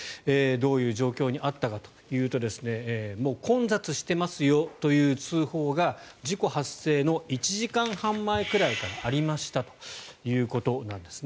どういう状況にあったかというともう混雑していますよという通報が事故発生の１時間半前くらいからありましたということなんです。